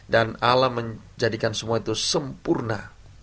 dan allah menjadikan semua itu sempurna